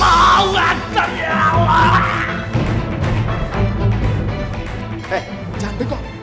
eh jangan bingung